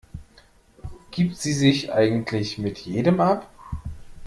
Gibt sie sich eigentlich mit jedem ab?